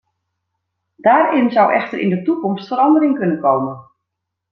Daarin zou echter in de toekomst verandering kunnen komen.